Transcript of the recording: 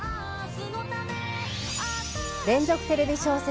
⁉連続テレビ小説